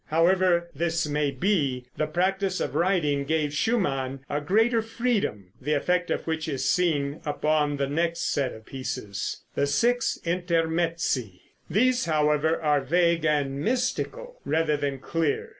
However this may be, the practice of writing gave Schumann a greater freedom, the effect of which is seen upon the next set of pieces, the six Intermezzi. These, however, are vague and mystical, rather than clear.